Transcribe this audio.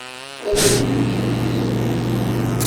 Ad t-yeǧǧ ad yezri.